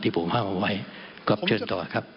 ที่ผมว่าเอาไว้ก็เชิญต่อครับ